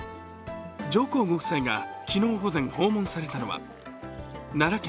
上皇ご夫妻が昨日午前訪問されたのは、奈良県